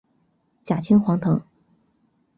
假青黄藤